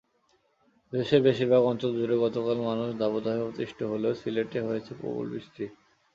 দেশের বেশির ভাগ অঞ্চলজুড়ে গতকাল মানুষ দাবদাহে অতিষ্ঠ হলেও সিলেটে হয়েছে প্রবল বৃষ্টি।